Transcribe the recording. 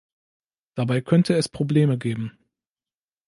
Dabei könnte es Probleme geben.